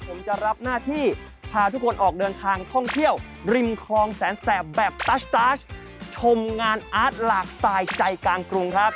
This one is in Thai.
ผมจะรับหน้าที่พาทุกคนออกเดินทางท่องเที่ยวริมคลองแสนแสบแบบตัสตาชชมงานอาร์ตหลากสไตล์ใจกลางกรุงครับ